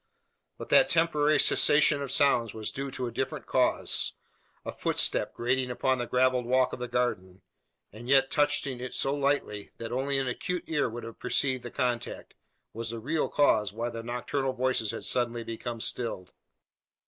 But that temporary cessation of sounds was due to a different cause. A footstep grating upon the gravelled walk of the garden and yet touching it so lightly, that only an acute ear could have perceived the contact was the real cause why the nocturnal voices had suddenly become stilled.